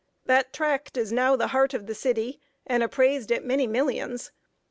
The tract is now the heart of the city, and appraised at many millions.